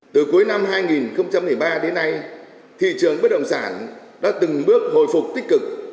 từ cuối năm hai nghìn một mươi ba đến nay thị trường bất động sản đã từng bước hồi phục tích cực